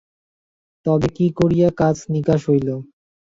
তবে কী করিয়া কাজ নিকাশ হইল?